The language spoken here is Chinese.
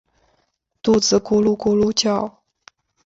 肚子咕噜咕噜叫